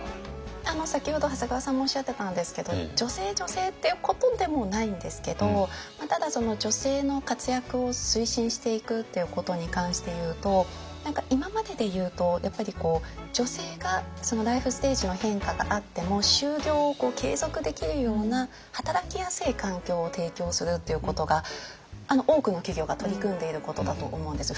先ほど長谷川さんもおっしゃってたんですけど女性女性っていうことでもないんですけどただその女性の活躍を推進していくということに関して言うと何か今までで言うと女性がライフステージの変化があっても就業を継続できるような働きやすい環境を提供するっていうことが多くの企業が取り組んでいることだと思うんです。